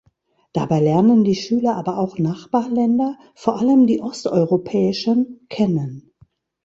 Dabei lernen die Schüler aber auch Nachbarländer, vor allem die osteuropäischen, kennen.